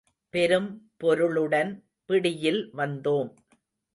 பெரும் பொருளுடன் பிடியில் வந்தோம்.